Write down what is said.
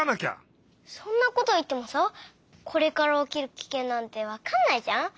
そんなこといってもさこれからおきるキケンなんてわかんないじゃん？